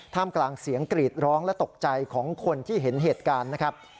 กลางเสียงกรีดร้องและตกใจของคนที่เห็นเหตุการณ์นะครับ